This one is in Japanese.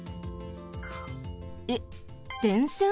えっ電線？